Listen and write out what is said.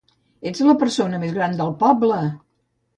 Ets la persona més gran del poble!